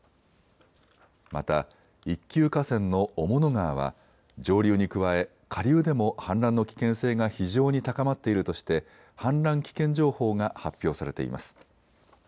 また一級河川の雄物川は上流に加え、下流でも氾濫の危険性が非常に高まっているとして氾濫危険情報が発表されています。